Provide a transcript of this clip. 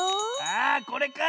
あこれか！